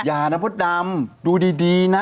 อย่านะมดดำดูดีนะ